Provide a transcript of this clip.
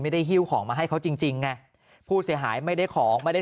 ไม่ได้ฮิ้วของมาให้เขาจริงไงผู้เสียหายไม่ได้ของไม่ได้